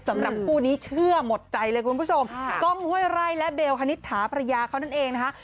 สำหรับคู่นี้เชื่อหมดใจเลยคุณผู้ชมกล้องห้วยไร่และเบลคณิตถาภรรยาเขานั่นเองนะคะ